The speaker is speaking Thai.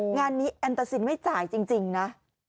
งานนี้แอนตาซินไม่จ่ายจริงนะ